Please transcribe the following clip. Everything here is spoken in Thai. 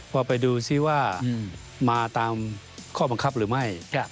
ว่าไปดูซิว่ามาตามข้อบังคับหรือไม่